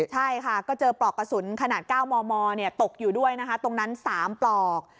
ใช่ค่ะก็เจอปลอกกระสุนขนาด๙มมตกอยู่ด้วยนะคะตรงนั้น๓ปลอก